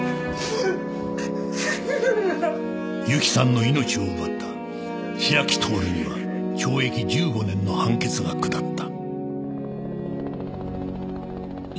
ゆきさんの命を奪った白木徹には懲役１５年の判決が下った